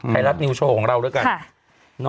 ไทยรัฐนิวโชว์ของเราด้วยกัน